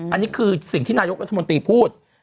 อันนี้คือสิ่งที่นายกรัฐมนตรีพูด